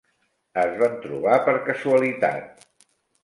Es van trobar per casualitat.